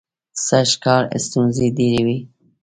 سږکال ستونزې ډېرې وې.